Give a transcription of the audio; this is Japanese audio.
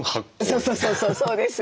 そうそうそうそうそうです。